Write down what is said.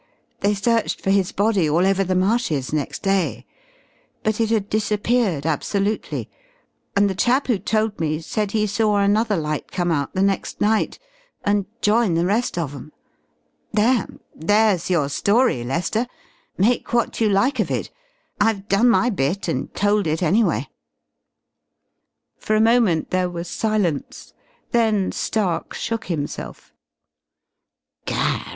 They searched for his body all over the marshes next day, but it had disappeared absolutely, and the chap who told me said he saw another light come out the next night, and join the rest of 'em.... There, there's your story, Lester, make what you like of it. I've done my bit and told it anyway." For a moment there was silence. Then Stark shook himself.